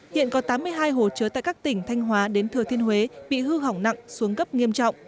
hiện có tám mươi hai hồ chứa tại các tỉnh thanh hóa đến thừa thiên huế bị hư hỏng nặng xuống cấp nghiêm trọng